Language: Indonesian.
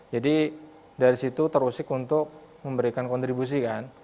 jadi dari situ terus ikut untuk memberikan kontribusi